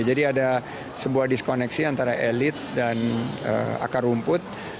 jadi ada sebuah diskoneksi antara elit dan akar rumput